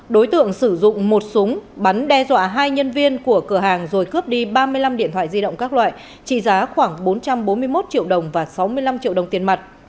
đối tượng sử dụng một súng bắn đe dọa hai nhân viên của cửa hàng rồi cướp đi ba mươi năm điện thoại di động các loại trị giá khoảng bốn trăm bốn mươi một triệu đồng và sáu mươi năm triệu đồng tiền mặt